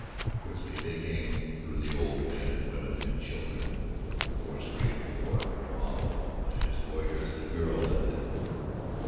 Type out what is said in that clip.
Quickly they came through the old men and the women and children, for straight toward Numabo and his warriors the girl led them.